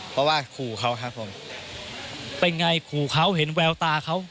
เพราะว่าขู่เขาครับผมเป็นไงขู่เขาเห็นแววตาเขา